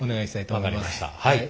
分かりました。